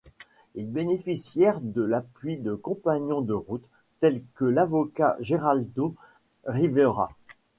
Ils bénéficièrent de l'appui de compagnons de route, tels que l'avocat Geraldo Rivera.